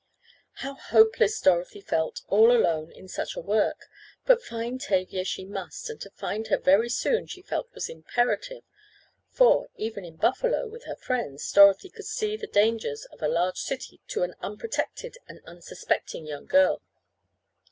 How hopeless Dorothy felt all alone in such a work! But find Tavia she must, and to find her very soon she felt was imperative, for, even in Buffalo, with her friends, Dorothy could see the dangers of a large city to an unprotected and unsuspecting young girl.